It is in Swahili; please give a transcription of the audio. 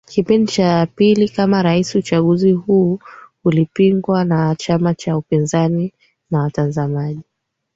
kipindi cha pili kama rais Uchaguzi huu ulipingwa na chama cha upinzani na watazamaji